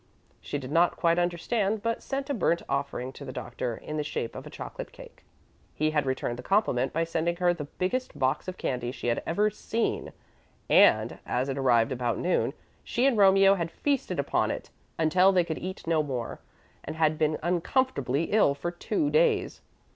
She did not quite understand, but sent a burnt offering to the Doctor, in the shape of a chocolate cake. He had returned the compliment by sending her the biggest box of candy she had ever seen, and, as it arrived about noon, she and Romeo had feasted upon it until they could eat no more, and had been uncomfortably ill for two days.